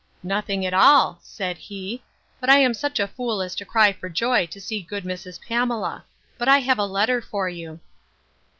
Nothing at all, said he; but I am such a fool as to cry for joy to see good Mrs. Pamela: But I have a letter for you.